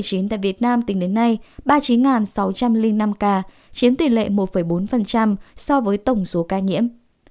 trung bình số tử vong do covid một mươi chín tại việt nam tính đến nay ba mươi chín sáu trăm linh năm ca chiếm tỷ lệ một bốn so với tổng số ca nhiễm